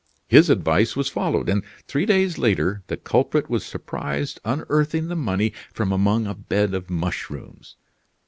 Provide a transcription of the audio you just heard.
His advice was followed; and three days later the culprit was surprised unearthing the money from among a bed of mushrooms.